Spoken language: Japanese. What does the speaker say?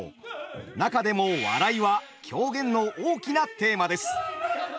中でも「笑い」は狂言の大きなテーマです。